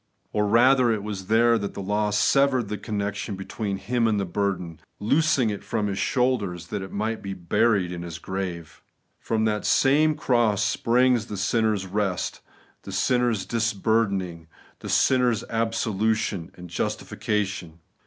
Or rather, it was there that the law severed the connection between Him and the burden ; loosing it from His shoulders, that it might be buried in His grave. From that same cross springs the sinner's rest, the sinner's disburdening, the sin ner's absolution and justification.